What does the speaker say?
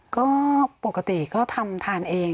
ก็ปกติก็ทำทานเอง